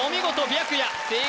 白夜？